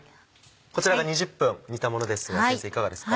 こちらが２０分煮たものですが先生いかがですか？